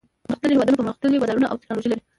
پرمختللي هېوادونه پرمختللي بازارونه او تکنالوجي لري.